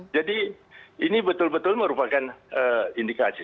ini betul betul merupakan indikasi